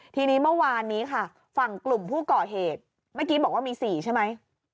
ทีนี้เมื่อวานนี้ค่ะฝั่งกลุ่มผู้ก่อเหตุเมื่อกี้บอกว่ามี๔ใช่ไหม